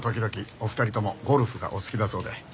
お二人ともゴルフがお好きだそうで。